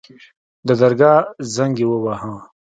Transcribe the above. د درګاه زنګ يې وواهه.